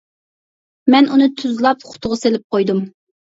مەن ئۇنى تۇزلاپ قۇتىغا سېلىپ قويدۇم.